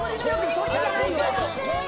そっちじゃないよ。